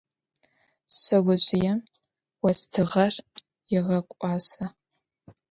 Şseozjıêm vostığer yêğek'uase.